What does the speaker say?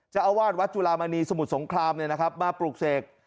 เจ้าอาวาสวัดจุลามณีสมุทรสงครามมาปลูกเสก